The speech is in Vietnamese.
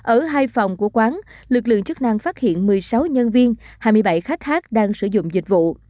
ở hai phòng của quán lực lượng chức năng phát hiện một mươi sáu nhân viên hai mươi bảy khách hát đang sử dụng dịch vụ